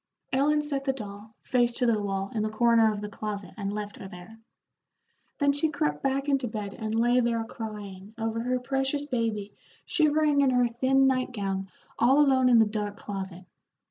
Ellen set the doll, face to the wall, in the corner of the closet, and left her there. Then she crept back into bed, and lay there crying over her precious baby shivering in her thin night gown all alone in the dark closet.